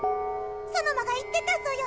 ソノマが言ってたソヨ。